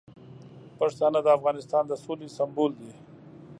پښتانه د افغانستان د سولې سمبول دي.